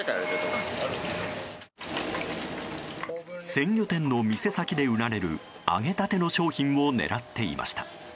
鮮魚店の店先で売られる揚げたての商品を狙っていました。